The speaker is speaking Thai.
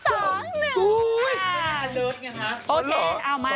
โอเคเอามา